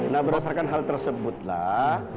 nah berdasarkan hal tersebutlah